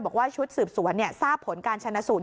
บอกว่าชุดสืบสวนทราบผลการชนะสูตร